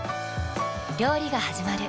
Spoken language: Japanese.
料理がはじまる。